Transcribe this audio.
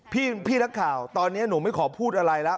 พี่นักข่าวตอนนี้หนูไม่ขอพูดอะไรแล้ว